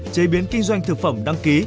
chế biến kinh doanh thực phẩm đăng ký